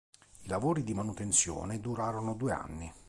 I lavori di manutenzione durarono due anni.